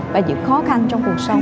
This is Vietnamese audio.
và những khó khăn trong cuộc sống